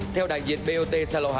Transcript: theo đại diện bot